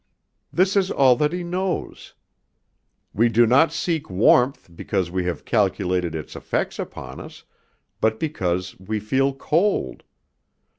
This is all that he knows. We do not seek warmth because we have calculated its effects upon us, but because we feel cold.